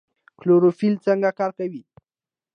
کلوروفیل څنګه کار کوي؟